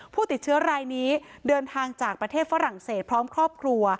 ผู้ติดเชื้อรายนี้เดินทางจากประเทศฝรั่งเศสพร้อมครอบครัว